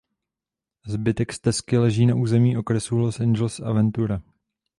Zbytek stezky leží na území okresů Los Angeles a Ventura.